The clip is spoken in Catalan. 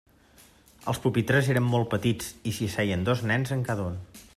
Els pupitres eren molt petits, i s'hi asseien dos nens en cada un.